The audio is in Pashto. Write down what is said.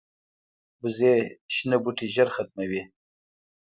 وزې شنه بوټي ژر ختموي